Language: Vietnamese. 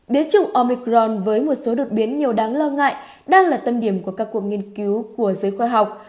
biến chủng omicron với một số đột biến nhiều đáng lo ngại đang là tâm điểm của các cuộc nghiên cứu của giới khoa học